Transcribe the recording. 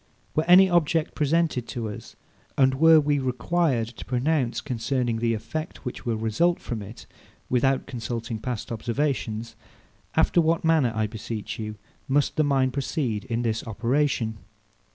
Were any object presented to us, and were we required to pronounce concerning the effect, which will result from it, without consulting past observation; after what manner, I beseech you, must the mind proceed in this operation?